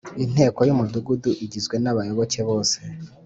Inteko y Umudugudu igizwe n abayoboke bose